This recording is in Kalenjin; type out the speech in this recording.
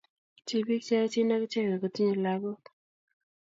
Tibik che aiechin ak icheke ko tinyei lagok